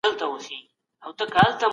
هغه نه غواړي خپل رازونه افشا کړي.